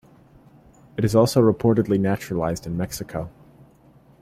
It is also reportedly naturalized in Mexico.